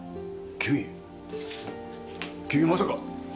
君まさか？